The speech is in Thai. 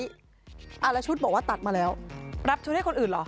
แล้วชุดบอกว่าตัดมาแล้วรับชุดให้คนอื่นเหรอ